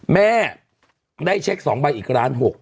แม่ได้เช็ค๒ใบอีกล้าน๖